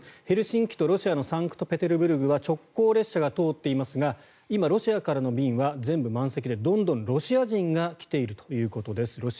ヘルシンキと、ロシアのサンクトペテルブルクは直行列車が通っていますが今、ロシアからの便は全部満席でどんどんロシア人が来ているということです。